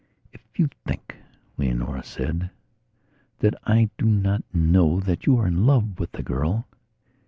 "If you think," Leonora said, "that I do not know that you are in love with the girl..."